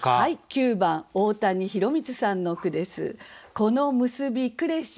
９番大谷博光さんの句です。